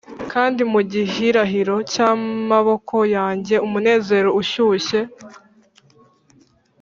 kandi mu gihirahiro cy'amaboko yanjye 'umunezero ushyushye,